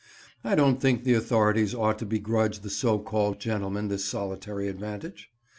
I don't think the authorities ought to begrudge the so called gentleman this solitary advantage.